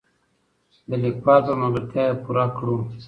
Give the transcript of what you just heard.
د لیکوال په ملګرتیا یې پوره کړو.